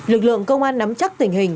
lực lượng công an nắm chắc tình hình